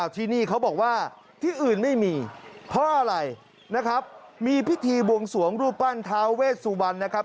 ที่นี่เขาบอกว่าที่อื่นไม่มีเพราะอะไรนะครับมีพิธีบวงสวงรูปปั้นท้าเวชสุวรรณนะครับ